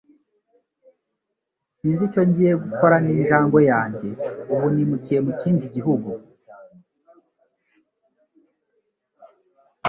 Sinzi icyo ngiye gukora ninjangwe yanjye ubu nimukiye mu kindi gihugu.